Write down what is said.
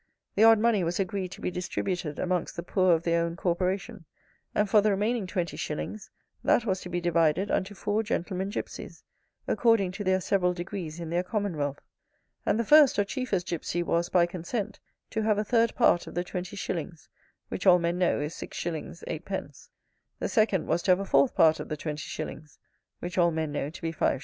The odd money was agreed to be distributed amongst the poor of their own corporation: and for the remaining twenty shillings, that was to be divided unto four gentlemen gypsies, according to their several degrees in their commonwealth. And the first or chiefest gypsy was, by consent, to have a third part of the twenty shillings, which all men know is 6s. 8d. The second was to have a fourth part of the 20s., which all men know to be 5s.